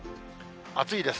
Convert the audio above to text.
暑いです。